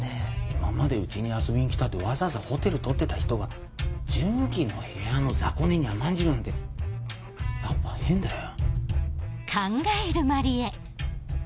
今までうちに遊びに来たってわざわざホテル取ってた人が順基の部屋の雑魚寝に甘んじるなんてやっぱ変だよ。